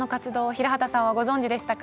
平畠さんはご存じでしたか？